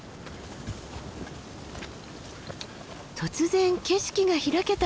突然景色が開けた。